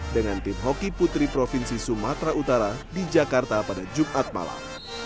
dengan tim hoki putri provinsi sumatera utara di jakarta pada jumat malam